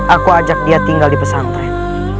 aku ajak dia tinggal di pesantren